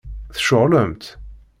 Tceɣlemt?